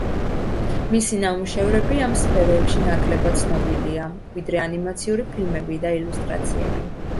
მისი ნამუშევრები ამ სფეროებში ნაკლებად ცნობილია, ვიდრე ანიმაციური ფილმები და ილუსტრაციები.